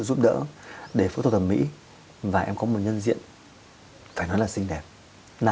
giúp đỡ để phẫu thuật thẩm mỹ và em có một nhân diện phải nói là xinh đẹp